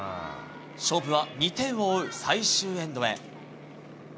勝負は２点を追う最終エンドへ。